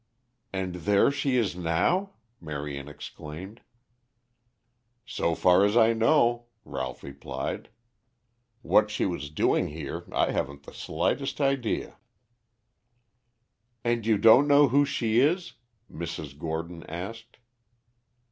"And there she is now?" Marion exclaimed. "So far as I know," Ralph replied. "What she was doing here I haven't the slightest idea." "And you don't know who she is?" Mrs. Gordon asked.